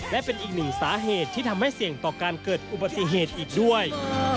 และเป็นอีกหนึ่งสาเหตุที่ทำให้เสี่ยงต่อการเกิดอุบัติเหตุอีกด้วย